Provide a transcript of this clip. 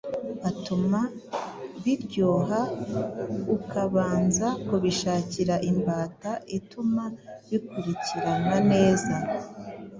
atuma biryoha ukabanza kubishakira imbata ituma bikurikirana neza